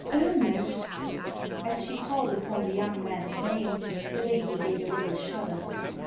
"Ernest!" As she called upon the young man's name the lady gave a little shudder.